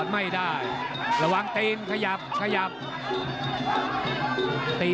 นี่นี่นี่นี่นี่